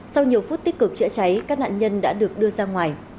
sau nhiều phút tích cực chữa cháy các nạn nhân đã được đưa ra ngoài